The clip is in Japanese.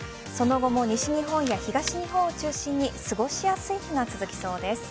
その後も西日本や東日本を中心に過ごしやすい日が続きそうです。